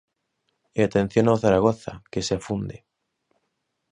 E atención ao Zaragoza, que se afunde.